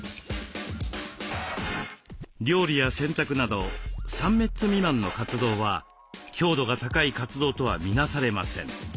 料理や洗濯など３メッツ未満の活動は強度が高い活動とは見なされません。